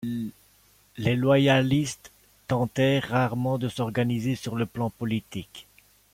Les Loyalistes tentèrent rarement de s’organiser sur le plan politique.